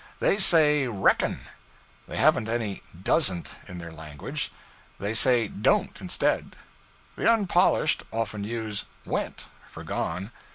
They say 'reckon.' They haven't any 'doesn't' in their language; they say 'don't' instead. The unpolished often use 'went' for 'gone.'